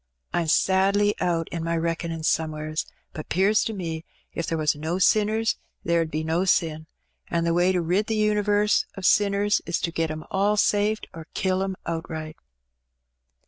I'm sadly out in my reck'nin' somewheres, but 'pears to me if there was no sinners there 'ud be no sin; an' the way to rid the univarse of sinners is to get 'em all saved or kill 'em outright."